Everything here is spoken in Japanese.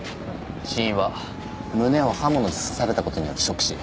死因は胸を刃物で刺された事によるショック死。